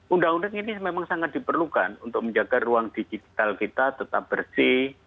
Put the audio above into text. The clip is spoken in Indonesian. undang undang ini memang sangat diperlukan untuk menjaga ruang digital kita tetap bersih